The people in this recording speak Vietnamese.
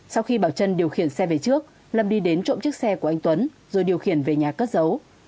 sau khi bảo trân điều khiển xe về trước lâm đi đến trộm chiếc xe của anh tuấn rồi điều khiển về nhà cất giấu